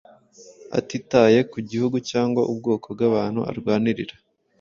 atitaye ku gihugu cyangwa ubwoko bw’abantu arwanirira